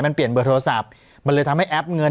มันเปลี่ยนเบอร์โทรศัพท์มันเลยทำให้แอปเงิน